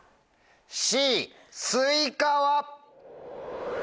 Ｃスイカは？